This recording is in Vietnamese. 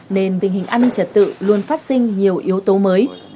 nên tình hình an ninh trật tự luôn phát sinh nhiều yếu tố mới